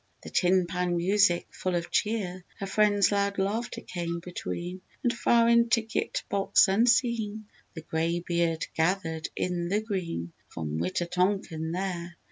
The tin pan music full of cheer, Her friends' loud laughter came between, And far in ticket box unseen The Grey beard gathered in the green From Wita tonkan there.